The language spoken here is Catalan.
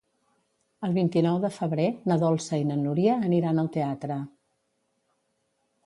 El vint-i-nou de febrer na Dolça i na Núria aniran al teatre.